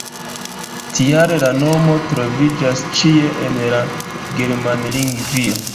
Tial la nomo troviĝas ĉie en la Germanlingvio.